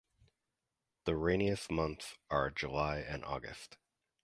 The rainiest months are July and August.